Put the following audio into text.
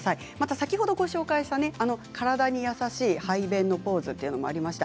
先ほどご紹介した体に優しい排便のポーズもありました。